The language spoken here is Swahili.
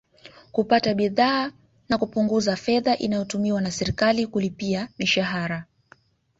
Kupata bidhaa na kupunguza fedha inayotumiwa na serikali kulipia mishahara